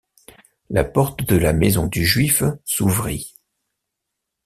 La porte de la maison du juif s’ouvrit.